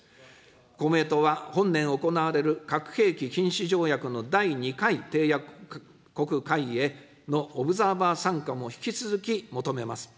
公明党は本年行われる核兵器禁止条約の第２回締約国会議へのオブザーバー参加も引き続き求めます。